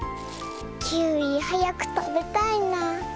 キウイはやくたべたいな。